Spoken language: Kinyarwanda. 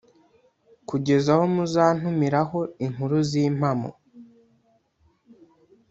kugeza aho muzantumiraho inkuru z’impamo.